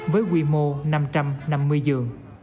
với quy mô năm trăm năm mươi giường